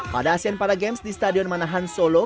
pada asean para games di stadion manahan solo